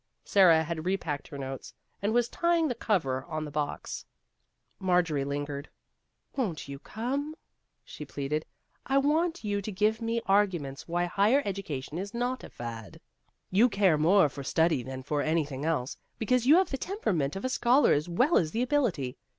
Sara had repacked her notes, and was tying the cover on the box. Marjorie lingered. "Won't you come?" she pleaded. " I want you to give me argu ments why higher education is not a fad. You care more for study than for anything else, because you have the temperament of a scholar as well as the ability.